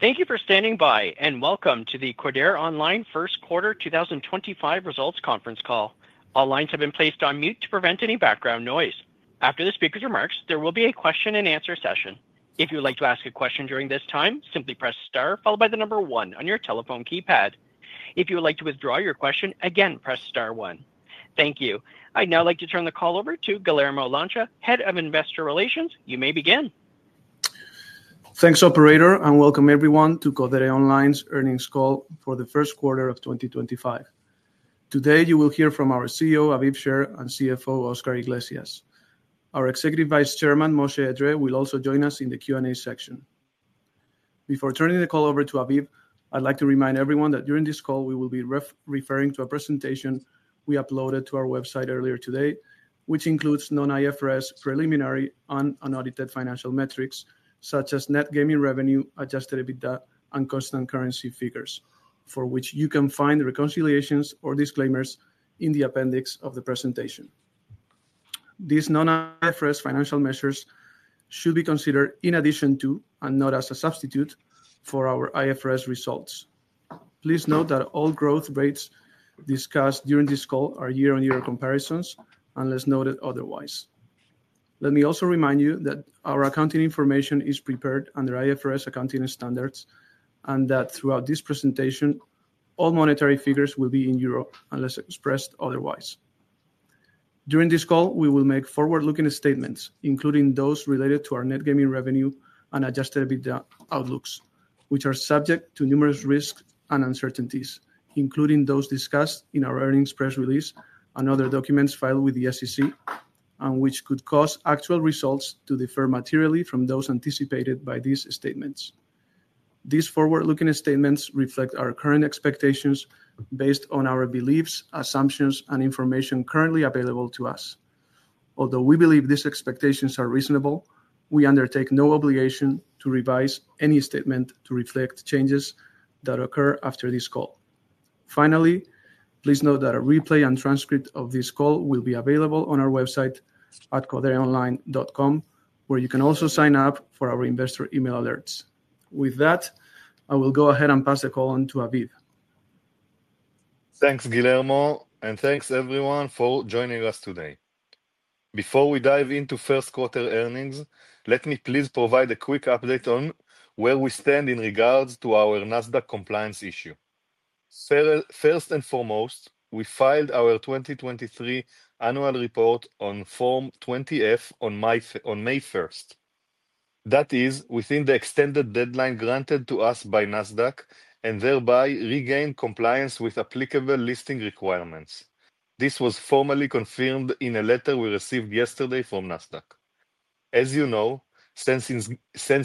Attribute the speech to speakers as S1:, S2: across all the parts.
S1: Thank you for standing by, and welcome to the Codere Online First Quarter 2025 Results Conference Call. All lines have been placed on mute to prevent any background noise. After the speaker's remarks, there will be a question and answer session. If you would like to ask a question during this time, simply press star followed by the number one on your telephone keypad. If you would like to withdraw your question, again, press star one. Thank you. I'd now like to turn the call over to Guillermo Lancha, Head of Investor Relations. You may begin.
S2: Thanks, Operator, and welcome everyone to Codere Online's earnings call for the first quarter of 2025. Today, you will hear from our CEO, Aviv Sher, and CFO, Oscar Iglesias. Our Executive Vice Chairman, Moshe Edree, will also join us in the Q&A section. Before turning the call over to Aviv, I'd like to remind everyone that during this call, we will be referring to a presentation we uploaded to our website earlier today, which includes non-IFRS preliminary and unaudited financial metrics such as net gaming revenue, adjusted EBITDA, and constant currency figures, for which you can find reconciliations or disclaimers in the appendix of the presentation. These non-IFRS financial measures should be considered in addition to, and not as a substitute for, our IFRS results. Please note that all growth rates discussed during this call are year on year comparisons unless noted otherwise. Let me also remind you that our accounting information is prepared under IFRS accounting standards and that throughout this presentation, all monetary figures will be in EUR unless expressed otherwise. During this call, we will make forward-looking statements, including those related to our net gaming revenue and adjusted EBITDA outlooks, which are subject to numerous risks and uncertainties, including those discussed in our earnings press release and other documents filed with the SEC, and which could cause actual results to differ materially from those anticipated by these statements. These forward-looking statements reflect our current expectations based on our beliefs, assumptions, and information currently available to us. Although we believe these expectations are reasonable, we undertake no obligation to revise any statement to reflect changes that occur after this call. Finally, please note that a replay and transcript of this call will be available on our website at codereonline.com, where you can also sign up for our investor email alerts. With that, I will go ahead and pass the call on to Aviv.
S3: Thanks, Guillermo, and thanks, everyone, for joining us today. Before we dive into first-quarter earnings, let me please provide a quick update on where we stand in regards to our NASDAQ compliance issue. First and foremost, we filed our 2023 annual report on Form 20-F on May 1st. That is, within the extended deadline granted to us by NASDAQ and thereby regain compliance with applicable listing requirements. This was formally confirmed in a letter we received yesterday from NASDAQ. As you know, since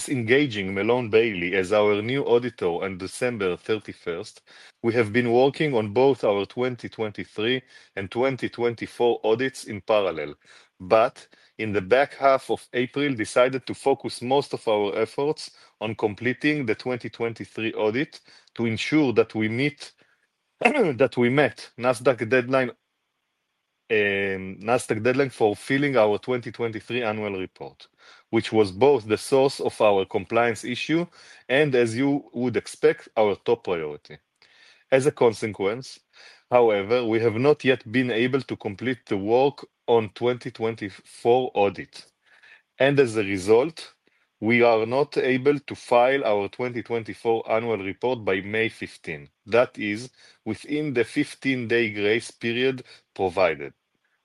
S3: engaging Marcum LLP as our new auditor on December 31st, 2023, we have been working on both our 2023 and 2024 audits in parallel, but in the back half of April, decided to focus most of our efforts on completing the 2023 audit to ensure that we met NASDAQ deadline for filing our 2023 annual report, which was both the source of our compliance issue and, as you would expect, our top priority. As a consequence, however, we have not yet been able to complete the work on the 2024 audit. As a result, we are not able to file our 2024 annual report by May 15th, that is, within the 15-day grace period provided.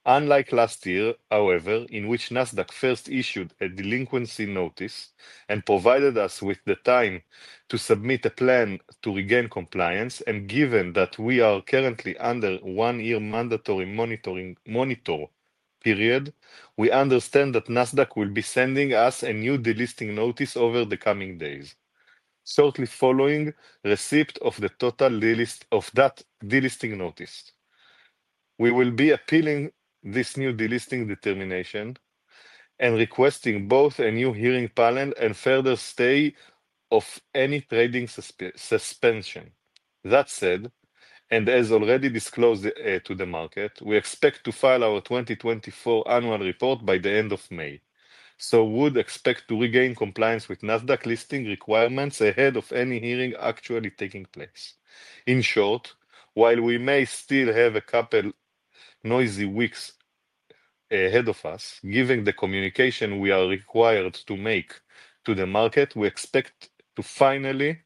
S3: Unlike last year, however, in which NASDAQ first issued a delinquency notice and provided us with the time to submit a plan to regain compliance, and given that we are currently under a one-year mandatory monitoring period, we understand that NASDAQ will be sending us a new delisting notice over the coming days, shortly following the receipt of the total delisting notice. We will be appealing this new delisting determination and requesting both a new hearing panel and further stay of any trading suspension. That said, and as already disclosed to the market, we expect to file our 2024 annual report by the end of May, so we would expect to regain compliance with NASDAQ listing requirements ahead of any hearing actually taking place. In short, while we may still have a couple of noisy weeks ahead of us, given the communication we are required to make to the market, we expect to finally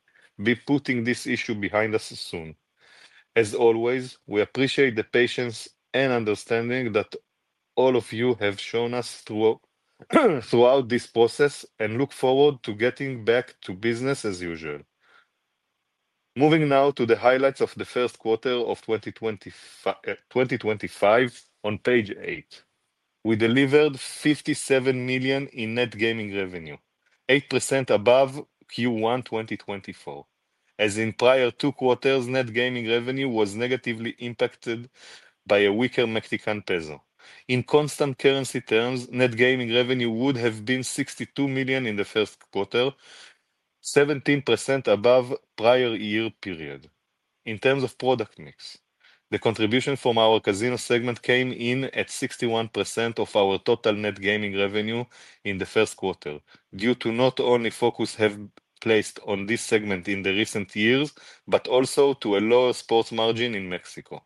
S3: be putting this issue behind us soon. As always, we appreciate the patience and understanding that all of you have shown us throughout this process and look forward to getting back to business as usual. Moving now to the highlights of the first quarter of 2025, on page eight, we delivered 57 million in net gaming revenue, 8% above Q1 2024. As in prior two quarters, net gaming revenue was negatively impacted by a weaker Mexican peso. In constant currency terms, net gaming revenue would have been 62 million in the first quarter, 17% above the prior year period. In terms of product mix, the contribution from our casino segment came in at 61% of our total net gaming revenue in the first quarter, due to not only the focus placed on this segment in the recent years, but also to a lower sports margin in Mexico.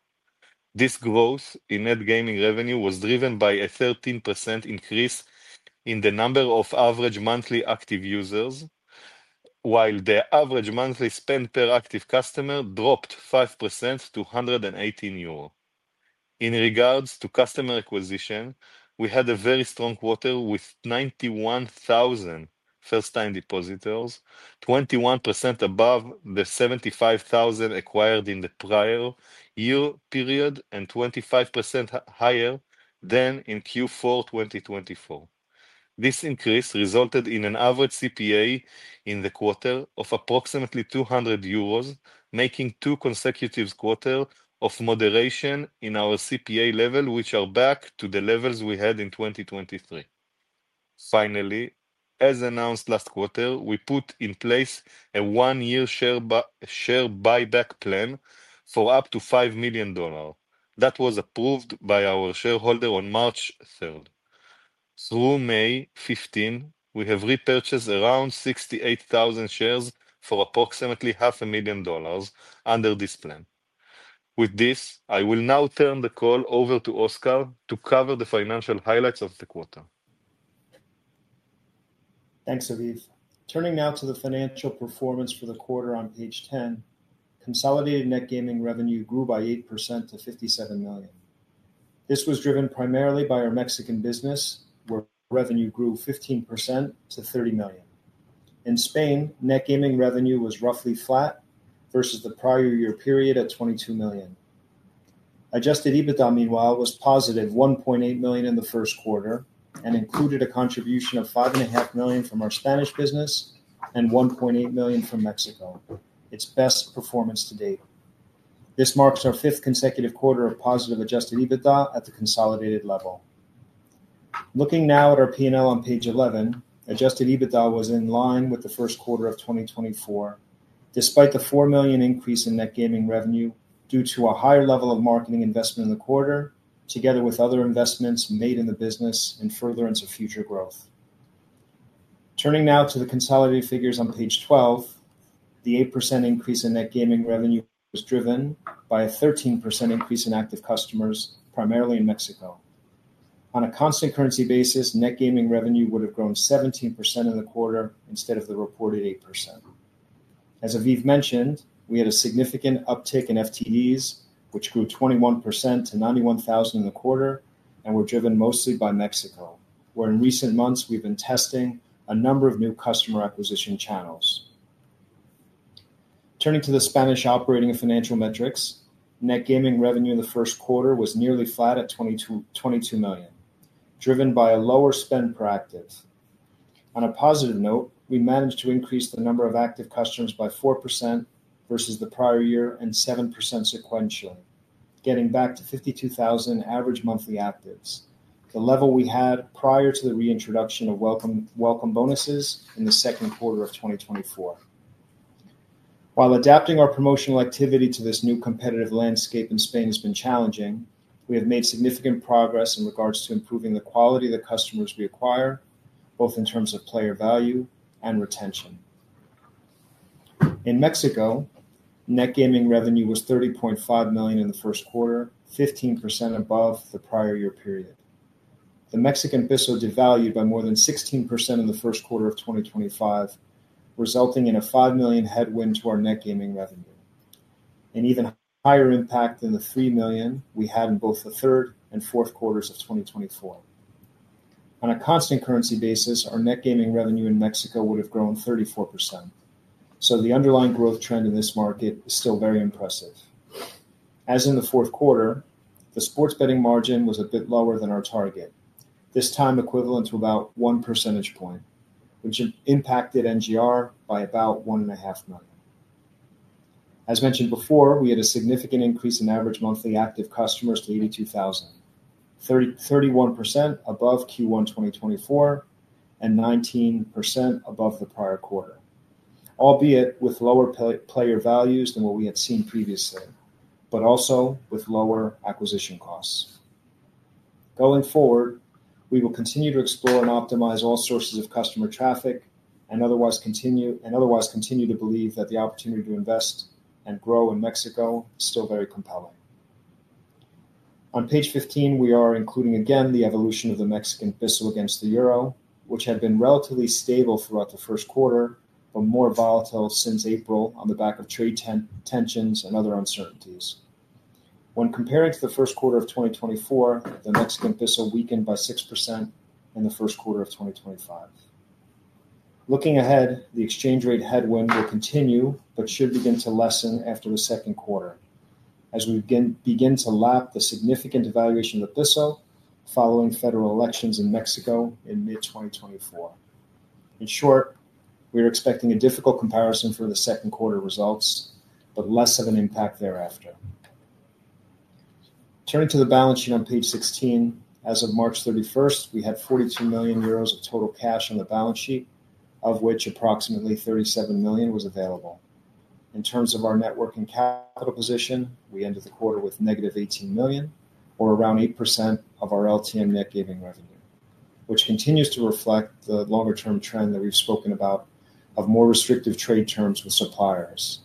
S3: This growth in net gaming revenue was driven by a 13% increase in the number of average monthly active users, while the average monthly spend per active customer dropped 5% to 118 euro. In regards to customer acquisition, we had a very strong quarter with 91,000 first-time depositors, 21% above the 75,000 acquired in the prior year period and 25% higher than in Q4 2024. This increase resulted in an average CPA in the quarter of approximately 200 euros, making two consecutive quarters of moderation in our CPA level, which are back to the levels we had in 2023. Finally, as announced last quarter, we put in place a one-year share buyback plan for up to $5 million. That was approved by our shareholder on March 3rd. Through May 15, we have repurchased around 68,000 shares for approximately $500,000 under this plan. With this, I will now turn the call over to Oscar to cover the financial highlights of the quarter.
S4: Thanks, Aviv. Turning now to the financial performance for the quarter on page 10, consolidated net gaming revenue grew by 8% to 57 million. This was driven primarily by our Mexican business, where revenue grew 15% to 30 million. In Spain, net gaming revenue was roughly flat versus the prior year period at 22 million. Adjusted EBITDA, meanwhile, was positive 1.8 million in the first quarter and included a contribution of 5.5 million from our Spanish business and 1.8 million from Mexico, its best performance to date. This marks our fifth consecutive quarter of positive adjusted EBITDA at the consolidated level. Looking now at our P&L on page 11, adjusted EBITDA was in line with the first quarter of 2024, despite the 4 million increase in net gaming revenue due to a higher level of marketing investment in the quarter, together with other investments made in the business and further into future growth. Turning now to the consolidated figures on page 12, the 8% increase in net gaming revenue was driven by a 13% increase in active customers, primarily in Mexico. On a constant currency basis, net gaming revenue would have grown 17% in the quarter instead of the reported 8%. As Aviv mentioned, we had a significant uptick in FTDs, which grew 21% to 91,000 in the quarter and were driven mostly by Mexico, where in recent months we've been testing a number of new customer acquisition channels. Turning to the Spanish operating financial metrics, net gaming revenue in the first quarter was nearly flat at 22 million, driven by a lower spend per active. On a positive note, we managed to increase the number of active customers by 4% versus the prior year and 7% sequentially, getting back to 52,000 average monthly actives, the level we had prior to the reintroduction of welcome bonuses in the second quarter of 2024. While adapting our promotional activity to this new competitive landscape in Spain has been challenging, we have made significant progress in regards to improving the quality of the customers we acquire, both in terms of player value and retention. In Mexico, net gaming revenue was 30.5 million in the first quarter, 15% above the prior year period. The Mexican peso devalued by more than 16% in the first quarter of 2025, resulting in a $5 million headwind to our net gaming revenue, an even higher impact than the $3 million we had in both the third and fourth quarters of 2024. On a constant currency basis, our net gaming revenue in Mexico would have grown 34%, so the underlying growth trend in this market is still very impressive. As in the fourth quarter, the sports betting margin was a bit lower than our target, this time equivalent to about one percentage point, which impacted NGR by about $1.5 million. As mentioned before, we had a significant increase in average monthly active customers to 82,000, 31% above Q1 2024 and 19% above the prior quarter, albeit with lower player values than what we had seen previously, but also with lower acquisition costs. Going forward, we will continue to explore and optimize all sources of customer traffic and otherwise continue to believe that the opportunity to invest and grow in Mexico is still very compelling. On page 15, we are including again the evolution of the Mexican peso against the euro, which had been relatively stable throughout the first quarter, but more volatile since April on the back of trade tensions and other uncertainties. When comparing to the first quarter of 2024, the Mexican peso weakened by 6% in the first quarter of 2025. Looking ahead, the exchange rate headwind will continue but should begin to lessen after the second quarter, as we begin to lap the significant devaluation of the peso following federal elections in Mexico in mid-2024. In short, we are expecting a difficult comparison for the second quarter results, but less of an impact thereafter. Turning to the balance sheet on page 16, as of March 31, we had 42 million euros of total cash on the balance sheet, of which approximately 37 million was available. In terms of our net working capital position, we ended the quarter with negative 18 million, or around 8% of our LTM net gaming revenue, which continues to reflect the longer-term trend that we've spoken about of more restrictive trade terms with suppliers,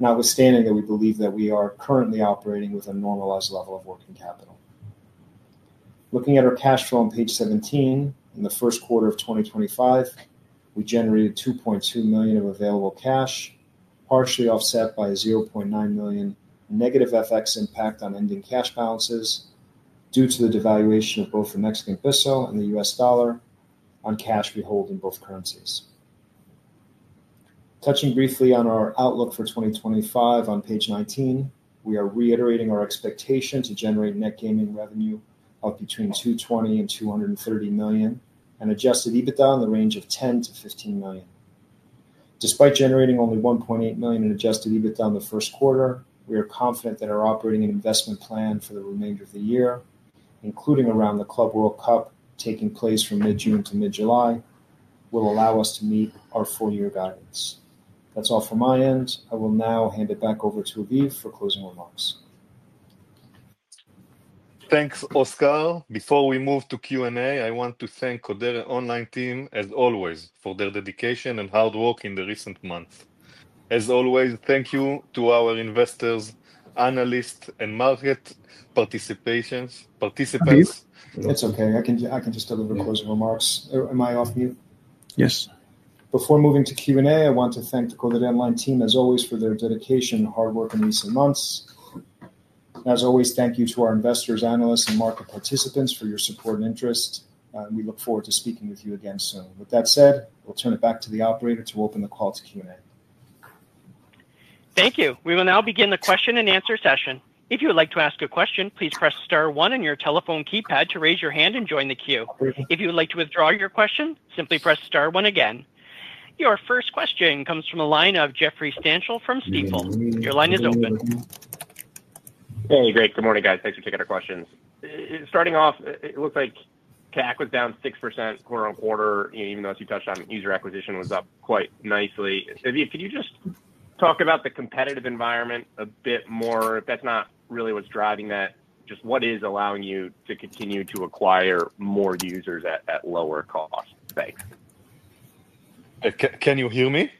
S4: notwithstanding that we believe that we are currently operating with a normalized level of working capital. Looking at our cash flow on page 17, in the first quarter of 2025, we generated 2.2 million of available cash, partially offset by a 0.9 million negative FX impact on ending cash balances due to the devaluation of both the Mexican peso and the U.S. dollar on cash we hold in both currencies. Touching briefly on our outlook for 2025, on page 19, we are reiterating our expectation to generate net gaming revenue of between 220 million and 230 million and adjusted EBITDA in the range of 10 million-15 million. Despite generating only 1.8 million in adjusted EBITDA in the first quarter, we are confident that our operating and investment plan for the remainder of the year, including around the Club World Cup taking place from mid-June to mid-July, will allow us to meet our four-year guidance. That's all from my end. I will now hand it back over to Aviv for closing remarks.
S3: Thanks, Oscar. Before we move to Q&A, I want to thank the Codere Online team, as always, for their dedication and hard work in the recent months. As always, thank you to our investors, analysts, and market participants.
S4: It's okay. I can just deliver closing remarks. Am I off mute?
S3: Yes.
S4: Before moving to Q&A, I want to thank the Codere Online team, as always, for their dedication and hard work in recent months. As always, thank you to our investors, analysts, and market participants for your support and interest. We look forward to speaking with you again soon. With that said, we'll turn it back to the operator to open the call to Q&A.
S1: Thank you. We will now begin the question-and-answer session. If you would like to ask a question, please press star one on your telephone keypad to raise your hand and join the queue. If you would like to withdraw your question, simply press star one again. Your first question comes from the line of Jeffrey Stantial from Stifel. Your line is open.
S5: Hey, great. Good morning, guys. Thanks for taking our questions. Starting off, it looks like CAC was down 6% quarter-on-quarter, even though, as you touched on, user acquisition was up quite nicely. Aviv, could you just talk about the competitive environment a bit more? That's not really what's driving that. Just what is allowing you to continue to acquire more users at lower cost? Thanks.
S3: Can you hear me?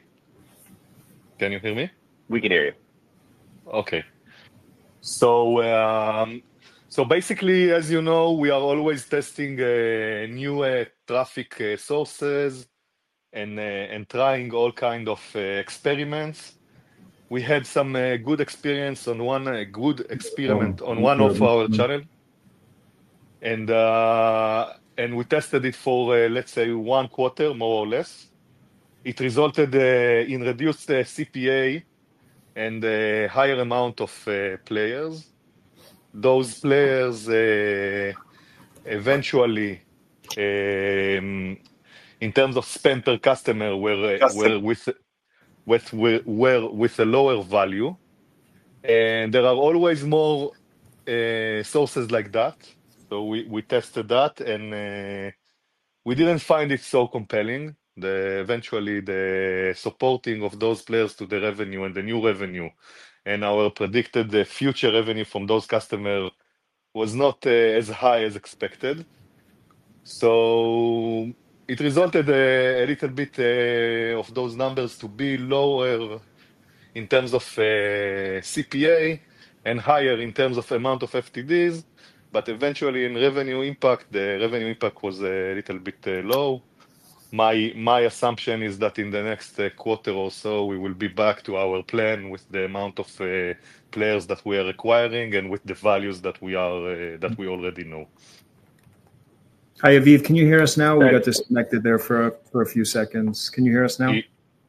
S5: We can hear you.
S3: Okay. So basically, as you know, we are always testing new traffic sources and trying all kinds of experiments. We had some good experience on one good experiment on one of our channels, and we tested it for, let's say, one quarter, more or less. It resulted in reduced CPA and a higher amount of players. Those players eventually, in terms of spend per customer, were with a lower value. And there are always more sources like that. So we tested that, and we did not find it so compelling. Eventually, the supporting of those players to the revenue and the new revenue and our predicted future revenue from those customers was not as high as expected. It resulted a little bit of those numbers to be lower in terms of CPA and higher in terms of amount of FTDs. Eventually, in revenue impact, the revenue impact was a little bit low. My assumption is that in the next quarter or so, we will be back to our plan with the amount of players that we are acquiring and with the values that we already know.
S4: Hi, Aviv. Can you hear us now? We got disconnected there for a few seconds. Can you hear us now?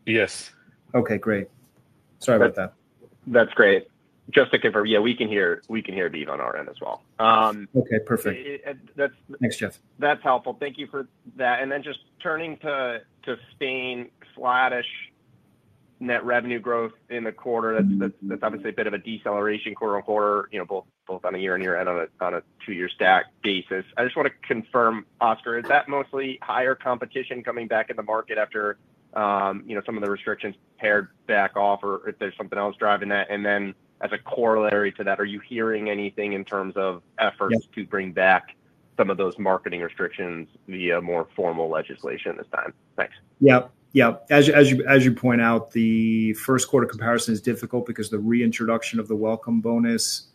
S4: Yes. Okay, great. Sorry about that.
S5: That's great. Just to confirm, yeah, we can hear Aviv on our end as well.
S4: Okay, perfect. Next chat.
S5: That's helpful. Thank you for that. Then just turning to Spain, flattish net revenue growth in the quarter. That's obviously a bit of a deceleration quarter on quarter, both on a year on year and on a two-year stack basis. I just want to confirm, Oscar, is that mostly higher competition coming back in the market after some of the restrictions paired back off, or if there's something else driving that? Then as a corollary to that, are you hearing anything in terms of efforts to bring back some of those marketing restrictions via more formal legislation this time? Thanks.
S4: Yep. Yep. As you point out, the first quarter comparison is difficult because the reintroduction of the welcome bonus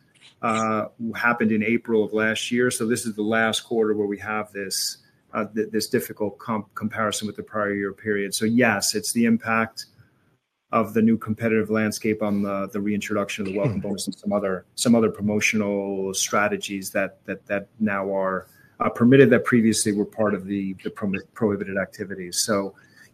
S4: happened in April of last year. This is the last quarter where we have this difficult comparison with the prior year period. Yes, it's the impact of the new competitive landscape on the reintroduction of the welcome bonus and some other promotional strategies that now are permitted that previously were part of the prohibited activities.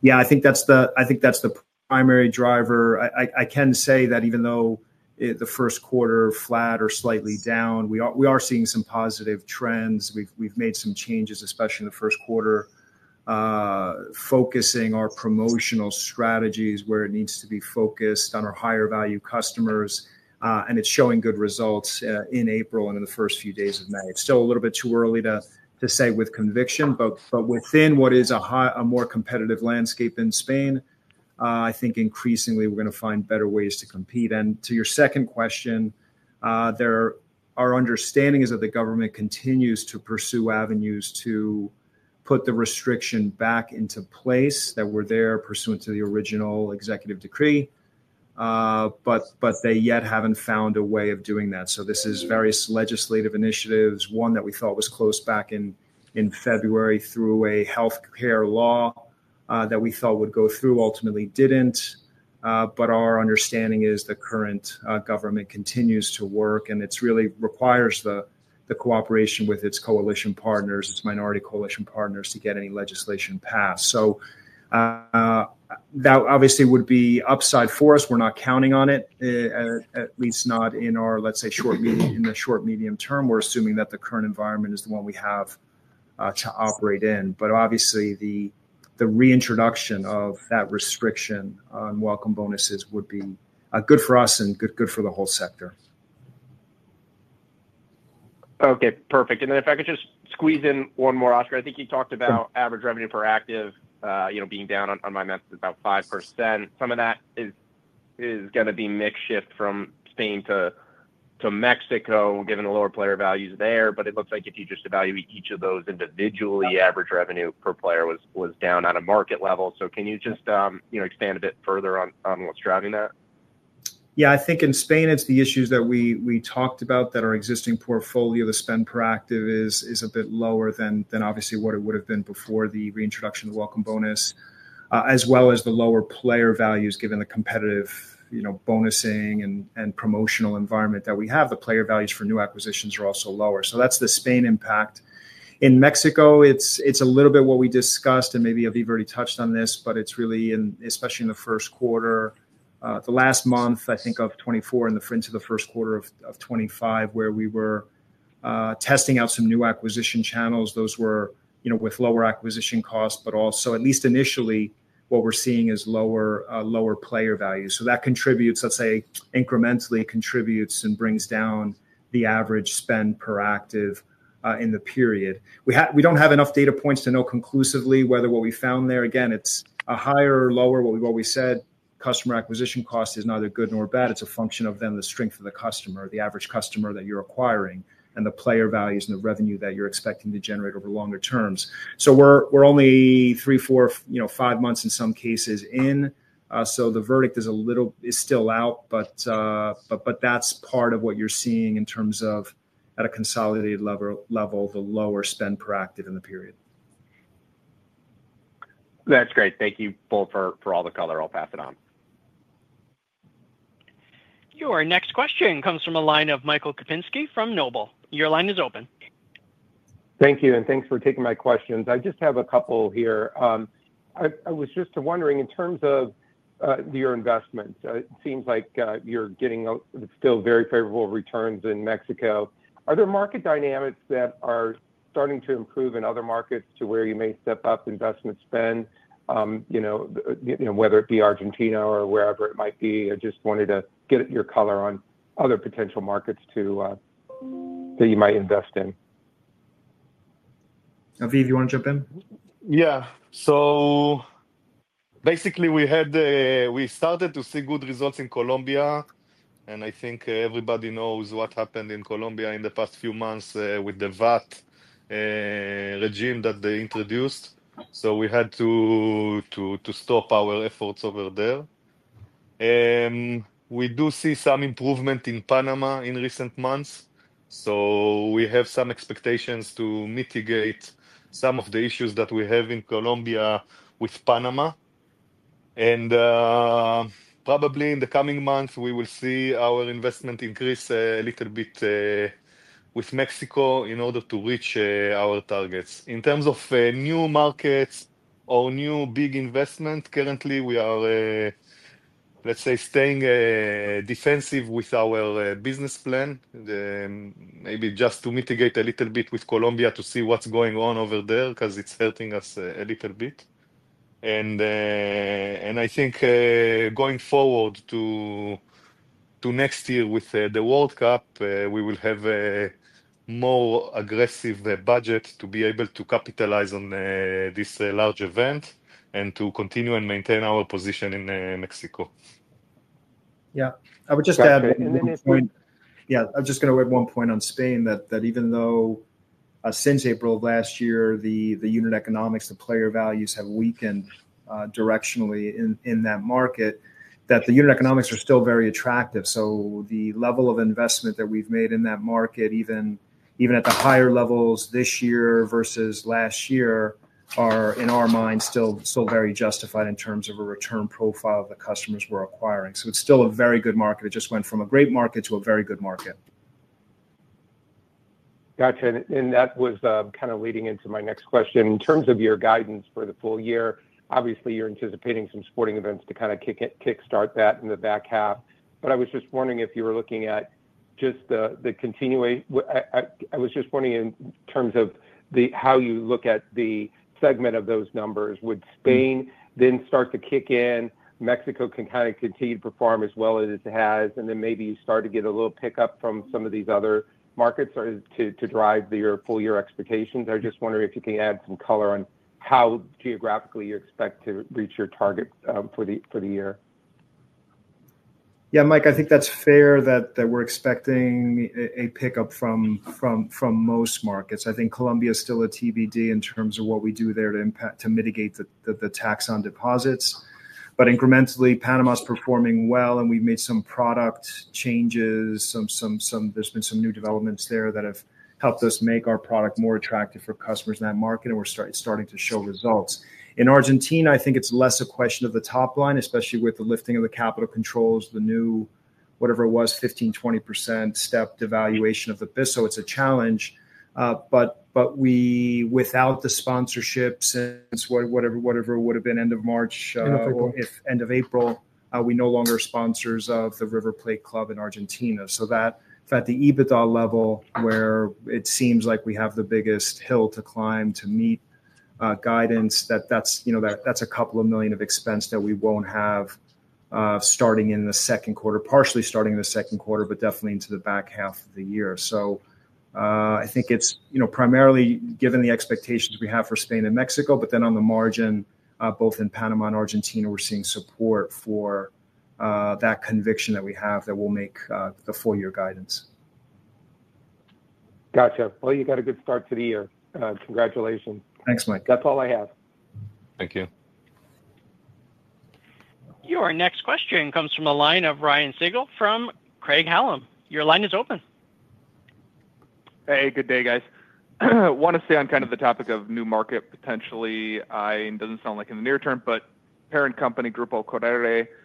S4: Yeah, I think that's the primary driver. I can say that even though the first quarter flat or slightly down, we are seeing some positive trends. We've made some changes, especially in the first quarter, focusing our promotional strategies where it needs to be focused on our higher-value customers. It's showing good results in April and in the first few days of May. It's still a little bit too early to say with conviction, but within what is a more competitive landscape in Spain, I think increasingly we're going to find better ways to compete. To your second question, our understanding is that the government continues to pursue avenues to put the restriction back into place that were there pursuant to the original executive decree, but they yet haven't found a way of doing that. This is various legislative initiatives. One that we thought was closed back in February through a healthcare law that we thought would go through ultimately did not. Our understanding is the current government continues to work, and it really requires the cooperation with its coalition partners, its minority coalition partners, to get any legislation passed. That obviously would be upside for us. We're not counting on it, at least not in our, let's say, short medium term. We're assuming that the current environment is the one we have to operate in. Obviously, the reintroduction of that restriction on welcome bonuses would be good for us and good for the whole sector.
S5: Okay, perfect. If I could just squeeze in one more, Oscar. I think you talked about average revenue per active being down, on my math, about 5%. Some of that is going to be mix shift from Spain to Mexico, given the lower player values there. It looks like if you just evaluate each of those individually, average revenue per player was down at a market level. Can you just expand a bit further on what's driving that?
S4: Yeah, I think in Spain, it's the issues that we talked about that our existing portfolio, the spend per active, is a bit lower than obviously what it would have been before the reintroduction of the welcome bonus, as well as the lower player values, given the competitive bonusing and promotional environment that we have. The player values for new acquisitions are also lower. That is the Spain impact. In Mexico, it's a little bit what we discussed, and maybe Aviv already touched on this, but it's really, especially in the first quarter, the last month, I think of 2024 and into the first quarter of 2025, where we were testing out some new acquisition channels. Those were with lower acquisition costs, but also, at least initially, what we're seeing is lower player values. That contributes, let's say, incrementally contributes and brings down the average spend per active in the period. We don't have enough data points to know conclusively whether what we found there, again, it's a higher or lower what we said. Customer acquisition cost is neither good nor bad. It's a function of then the strength of the customer, the average customer that you're acquiring, and the player values and the revenue that you're expecting to generate over longer terms. We're only three, four, five months in some cases in. The verdict is still out, but that's part of what you're seeing in terms of, at a consolidated level, the lower spend per active in the period.
S5: That's great. Thank you both for all the color. I'll pass it on.
S1: Your next question comes from a line of Michael Kupinski from Noble. Your line is open.
S6: Thank you. Thanks for taking my questions. I just have a couple here. I was just wondering, in terms of your investments, it seems like you're getting still very favorable returns in Mexico. Are there market dynamics that are starting to improve in other markets to where you may step up investment spend, whether it be Argentina or wherever it might be? I just wanted to get your color on other potential markets that you might invest in.
S4: Aviv, you want to jump in?
S3: Yeah. So basically, we started to see good results in Colombia. I think everybody knows what happened in Colombia in the past few months with the VAT regime that they introduced. We had to stop our efforts over there. We do see some improvement in Panama in recent months. We have some expectations to mitigate some of the issues that we have in Colombia with Panama. Probably in the coming months, we will see our investment increase a little bit with Mexico in order to reach our targets. In terms of new markets or new big investment, currently, we are, let's say, staying defensive with our business plan, maybe just to mitigate a little bit with Colombia to see what's going on over there because it's hurting us a little bit. I think going forward to next year with the World Cup, we will have a more aggressive budget to be able to capitalize on this large event and to continue and maintain our position in Mexico.
S4: Yeah. I would just add one point. Yeah, I'm just going to add one point on Spain, that even though since April of last year, the unit economics and player values have weakened directionally in that market, the unit economics are still very attractive. So the level of investment that we've made in that market, even at the higher levels this year versus last year, are in our mind still very justified in terms of a return profile that customers were acquiring. It is still a very good market. It just went from a great market to a very good market.
S6: Gotcha. That was kind of leading into my next question. In terms of your guidance for the full year, obviously, you're anticipating some sporting events to kind of kickstart that in the back half. I was just wondering if you were looking at just the continuation, I was just wondering in terms of how you look at the segment of those numbers. Would Spain then start to kick in? Mexico can kind of continue to perform as well as it has, and then maybe you start to get a little pickup from some of these other markets to drive your full-year expectations. I just wonder if you can add some color on how geographically you expect to reach your target for the year.
S4: Yeah, Mike, I think that's fair that we're expecting a pickup from most markets. I think Colombia is still a TBD in terms of what we do there to mitigate the tax on deposits. But incrementally, Panama's performing well, and we've made some product changes. There's been some new developments there that have helped us make our product more attractive for customers in that market, and we're starting to show results. In Argentina, I think it's less a question of the top line, especially with the lifting of the capital controls, the new, whatever it was, 15%-20% stepped devaluation of the peso so it's a challenge. But we, without the sponsorships since whatever it would have been, end of March, end of April, we're no longer sponsors of the River Plate Club in Argentina. At the EBITDA level, where it seems like we have the biggest hill to climb to meet guidance, that's a couple of million of expense that we won't have starting in the second quarter, partially starting in the second quarter, but definitely into the back half of the year. I think it's primarily given the expectations we have for Spain and Mexico, but then on the margin, both in Panama and Argentina, we're seeing support for that conviction that we have that will make the full-year guidance.
S6: Gotcha. You got a good start to the year. Congratulations.
S4: Thanks, Mike.
S6: That's all I have.
S3: Thank you.
S1: Your next question comes from a line of Ryan Sigdahl from Craig-Hallum. Your line is open.
S7: Hey, good day, guys. I want to stay on kind of the topic of new market potentially. It does not sound like in the near term, but parent company Grupo Codere just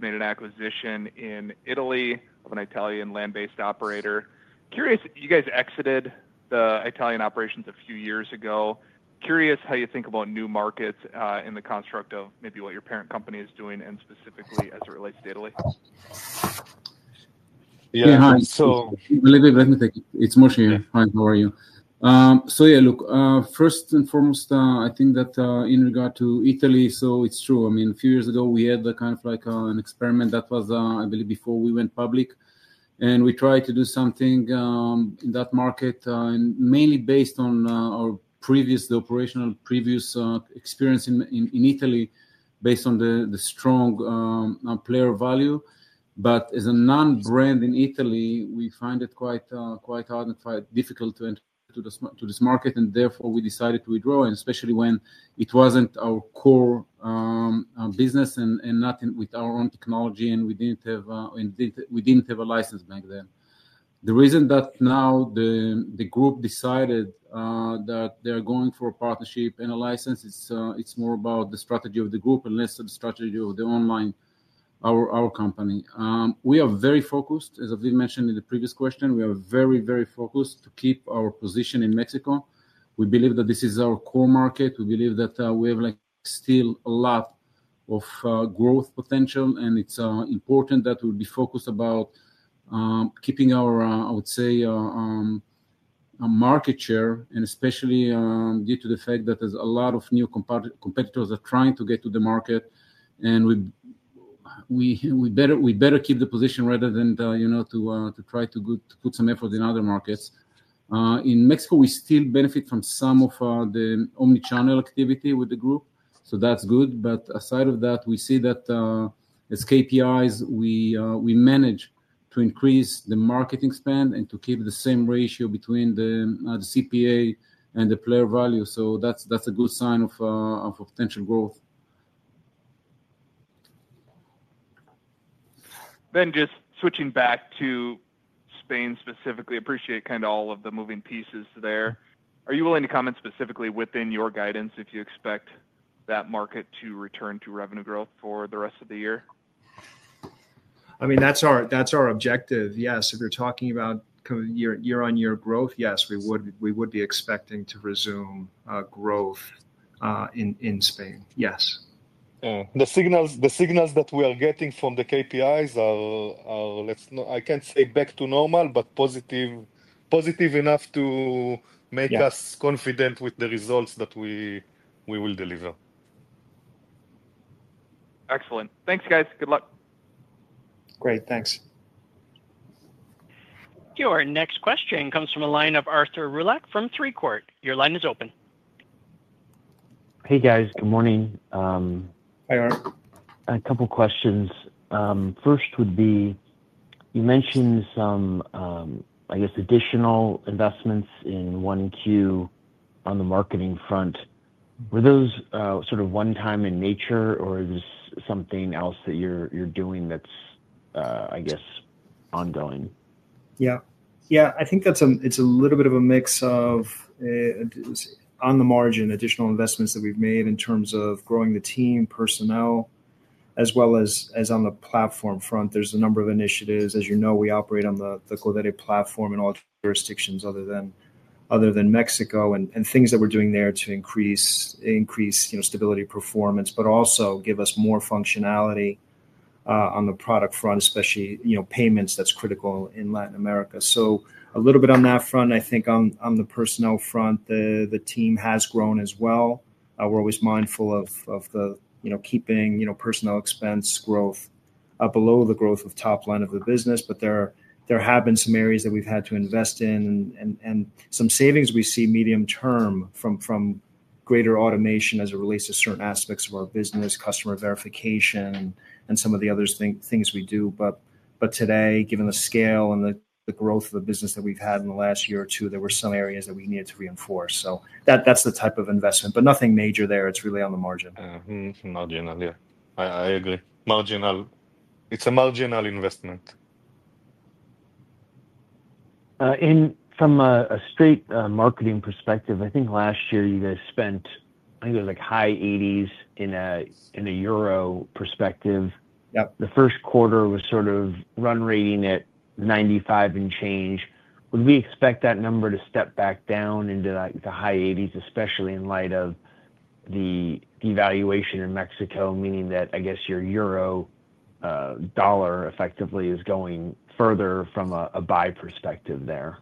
S7: made an acquisition in Italy of an Italian land-based operator. Curious, you guys exited the Italian operations a few years ago. Curious how you think about new markets in the construct of maybe what your parent company is doing and specifically as it relates to Italy.
S3: Yeah.
S8: Yeah, hi. Let me think. It's Moshe here. Hi, how are you? Yeah, look, first and foremost, I think that in regard to Italy, it's true. I mean, a few years ago, we had kind of like an experiment that was, I believe, before we went public. We tried to do something in that market, mainly based on our previous operational experience in Italy, based on the strong player value. As a non-brand in Italy, we find it quite hard and quite difficult to enter into this market. Therefore, we decided to withdraw, especially when it was not our core business and not with our own technology, and we did not have a license back then. The reason that now the group decided that they're going for a partnership and a license, it's more about the strategy of the group and less the strategy of the online company. We are very focused, as Aviv mentioned in the previous question, we are very, very focused to keep our position in Mexico. We believe that this is our core market. We believe that we have still a lot of growth potential, and it's important that we be focused about keeping our, I would say, market share, and especially due to the fact that there's a lot of new competitors that are trying to get to the market. We better keep the position rather than to try to put some effort in other markets. In Mexico, we still benefit from some of the omnichannel activity with the group. That's good. Aside of that, we see that as KPIs, we manage to increase the marketing spend and to keep the same ratio between the CPA and the player value. So that's a good sign of potential growth.
S7: Just switching back to Spain specifically, appreciate kind of all of the moving pieces there. Are you willing to comment specifically within your guidance if you expect that market to return to revenue growth for the rest of the year?
S4: I mean, that's our objective. Yes. If you're talking about year on year growth, yes, we would be expecting to resume growth in Spain. Yes.
S3: The signals that we are getting from the KPIs are, I can't say back to normal, but positive enough to make us confident with the results that we will deliver.
S7: Excellent. Thanks, guys. Good luck.
S4: Great. Thanks.
S1: Your next question comes from a line of Arthur Roulac from Three Court. Your line is open.
S9: Hey, guys. Good morning.
S4: Hi, Art.
S9: A couple of questions. First would be, you mentioned some, I guess, additional investments in 1Q on the marketing front. Were those sort of one-time in nature, or is this something else that you're doing that's, I guess, ongoing?
S4: Yeah. Yeah, I think it's a little bit of a mix of, on the margin, additional investments that we've made in terms of growing the team, personnel, as well as on the platform front. There's a number of initiatives. As you know, we operate on the Codere platform in all jurisdictions other than Mexico, and things that we're doing there to increase stability, performance, but also give us more functionality on the product front, especially payments that's critical in Latin America. A little bit on that front. I think on the personnel front, the team has grown as well. We're always mindful of keeping personnel expense growth below the growth of top line of the business. There have been some areas that we've had to invest in and some savings we see medium term from greater automation as it relates to certain aspects of our business, customer verification, and some of the other things we do. Today, given the scale and the growth of the business that we've had in the last year or two, there were some areas that we needed to reinforce. That's the type of investment. Nothing major there. It's really on the margin.
S3: Marginalia. I agree. Marginal. It's a marginal investment.
S9: From a straight marketing perspective, I think last year you guys spent, I think it was like high 80s in a EUR perspective. The first quarter was sort of run rating at 95 and change. Would we expect that number to step back down into the high 80s, especially in light of the devaluation in Mexico, meaning that, I guess, your EUR/dollar effectively is going further from a buy perspective there?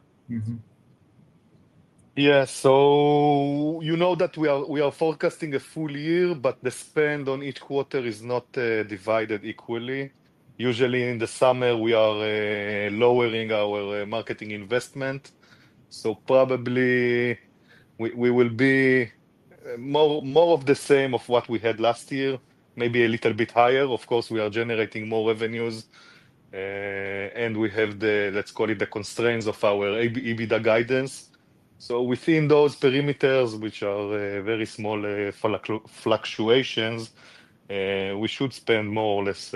S3: Yeah. So you know that we are forecasting a full year, but the spend on each quarter is not divided equally. Usually, in the summer, we are lowering our marketing investment. So probably we will be more of the same of what we had last year, maybe a little bit higher. Of course, we are generating more revenues, and we have, let's call it, the constraints of our EBITDA guidance. So within those parameters, which are very small fluctuations, we should spend more or less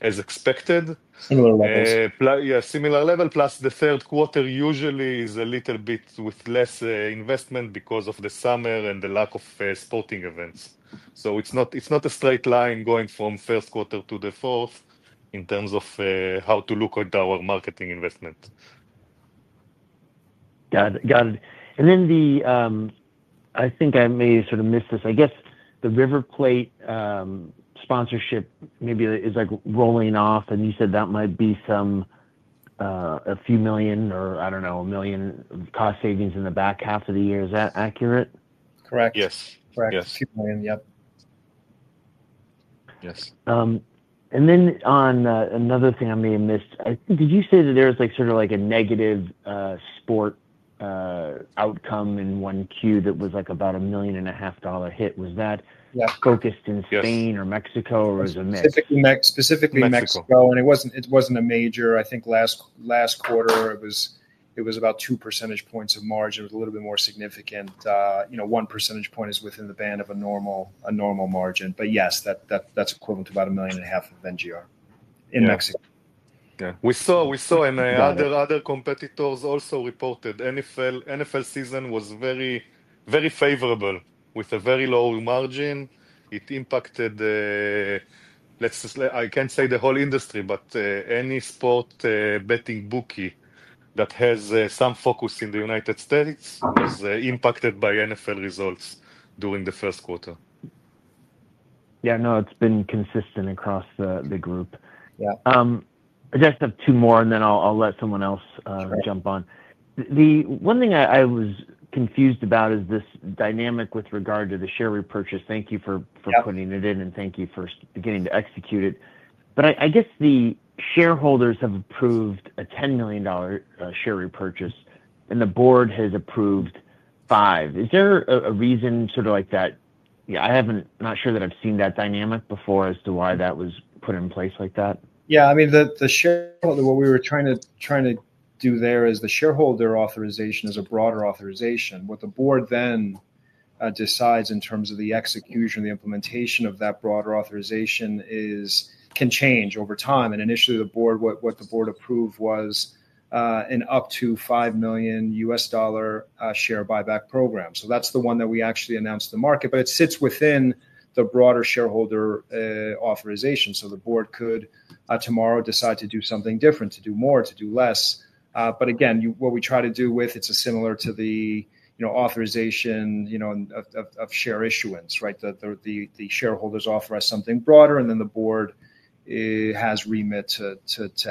S3: as expected.
S9: Similar levels.
S3: Yeah, similar level. Plus, the third quarter usually is a little bit with less investment because of the summer and the lack of sporting events. So it's not a straight line going from first quarter to the fourth in terms of how to look at our marketing investment.
S9: Got it. Got it. I think I may have sort of missed this. I guess the River Plate sponsorship maybe is rolling off, and you said that might be a few million or, I do not know, a million cost savings in the back half of the year. Is that accurate?
S4: Correct.
S3: Yes.
S4: Correct.
S3: Yes.
S4: A few million. Yep.
S3: Yes.
S9: On another thing I may have missed, did you say that there was sort of a negative sport outcome in 1Q that was about a $1.5 million hit? Was that focused in Spain or Mexico, or was it mixed?
S4: Specifically Mexico. It was not a major. I think last quarter, it was about two percentage points of margin. It was a little bit more significant. One percentage point is within the band of a normal margin. Yes, that is equivalent to about $1,500,000 of NGR in Mexico.
S3: Yeah. We saw NFL. Other competitors also reported. NFL season was very favorable with a very low margin. It impacted, I can't say the whole industry, but any sports betting bookie that has some focus in the United States was impacted by NFL results during the first quarter.
S9: Yeah. No, it's been consistent across the group. I just have two more, and then I'll let someone else jump on. One thing I was confused about is this dynamic with regard to the share repurchase. Thank you for putting it in, and thank you for beginning to execute it. I guess the shareholders have approved a $10 million share repurchase, and the board has approved $5 million. Is there a reason sort of like that? I'm not sure that I've seen that dynamic before as to why that was put in place like that.
S4: Yeah. I mean, what we were trying to do there is the shareholder authorization is a broader authorization. What the board then decides in terms of the execution and the implementation of that broader authorization can change over time. Initially, what the board approved was an up to $5 million share buyback program. That is the one that we actually announced to the market, but it sits within the broader shareholder authorization. The board could tomorrow decide to do something different, to do more, to do less. Again, what we try to do with it is similar to the authorization of share issuance, right? The shareholders authorize something broader, and then the board has remit to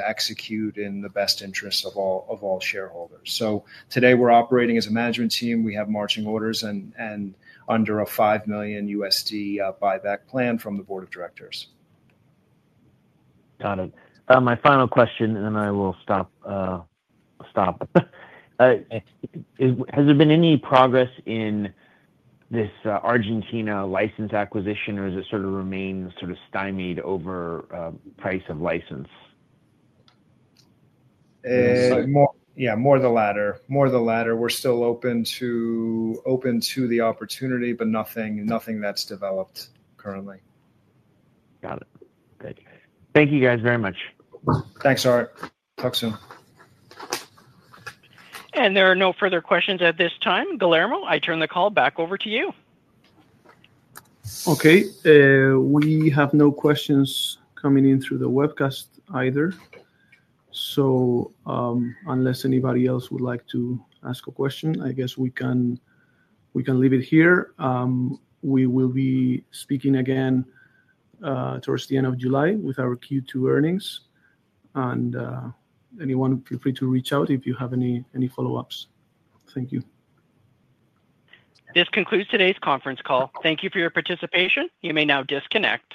S4: execute in the best interests of all shareholders. Today, we are operating as a management team. We have marching orders and under a $5 million buyback plan from the board of directors.
S9: Got it. My final question, and then I will stop. Has there been any progress in this Argentina license acquisition, or has it sort of remained sort of stymied over price of license?
S4: Yeah, more of the latter. More of the latter. We're still open to the opportunity, but nothing that's developed currently.
S9: Got it. Good. Thank you, guys, very much.
S4: Thanks, Art. Talk soon.
S1: There are no further questions at this time. Guillermo, I turn the call back over to you.
S2: Okay. We have no questions coming in through the webcast either. Unless anybody else would like to ask a question, I guess we can leave it here. We will be speaking again towards the end of July with our Q2 earnings. Anyone, feel free to reach out if you have any follow-ups. Thank you.
S1: This concludes today's conference call. Thank you for your participation. You may now disconnect.